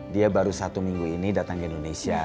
dia baru satu minggu ini datang ke indonesia